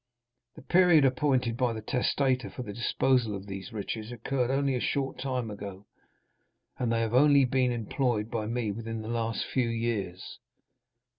The period appointed by the testator for the disposal of these riches occurred only a short time ago, and they have only been employed by me within the last few years.